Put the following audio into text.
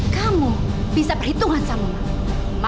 kamu bisa perhitungan sama mama